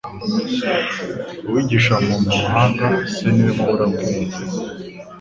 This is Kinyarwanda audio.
Uwigisha muntu ubuhanga se ni we mubura bwenge?